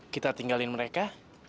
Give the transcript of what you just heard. kita tinggalin mereka